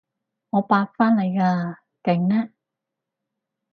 我八返嚟㗎，勁呢？